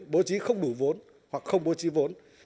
bố trí không đủ vốn hoặc không bố trí vốn